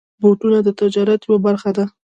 بوټونه د تجارت یوه برخه ده.